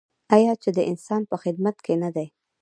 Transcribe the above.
آیا چې د انسان په خدمت کې نه دی؟